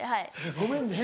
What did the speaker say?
ごめんね。